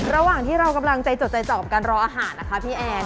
ระหว่างที่เรากำลังใจจดใจจ่อกับการรออาหารนะคะพี่แอน